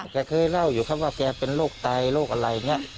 เคยเล่าอยู่ครับว่าแกเป็นโรคไตโรคอะไรอย่างนี้